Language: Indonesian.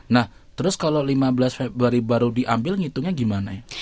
nah terus kalau lima belas februari baru diambil ngitungnya gimana ya